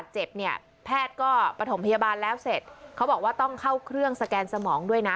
เจ็บเนี่ยแพทย์ก็ประถมพยาบาลแล้วเสร็จเขาบอกว่าต้องเข้าเครื่องสแกนสมองด้วยนะ